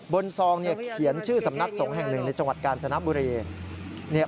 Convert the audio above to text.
ซองเขียนชื่อสำนักสงฆ์แห่งหนึ่งในจังหวัดกาญจนบุรี